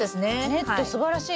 ネットすばらしいですね。